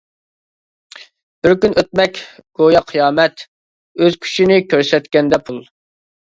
بىر كۈن ئۆتمەك گويا قىيامەت، ئۆز كۈچىنى كۆرسەتكەندە پۇل.